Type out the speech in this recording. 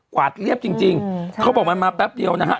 วาดเรียบจริงเขาบอกมันมาแป๊บเดียวนะฮะ